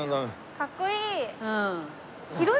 かっこいい！